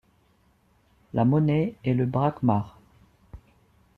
La monnaie est le brakmarh.